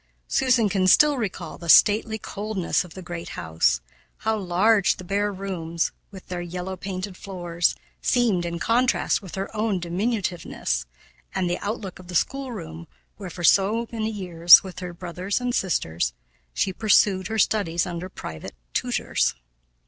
Susan can still recall the stately coldness of the great house how large the bare rooms, with their yellow painted floors, seemed, in contrast with her own diminutiveness, and the outlook of the schoolroom where for so many years, with her brothers and sisters, she pursued her studies under private tutors.